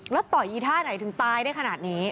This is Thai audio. แล้วต่อยอีท่าไหนถึงตายได้ขนาดนี้